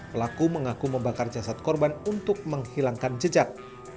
pelaku mengaku membakar jasad korban untuk menghilangkan jejak